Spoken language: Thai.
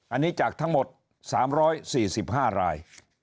อันนี้จากทั้งหมด๓๔๕ราย